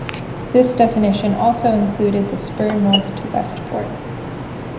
This definition also included the spur north to Westport.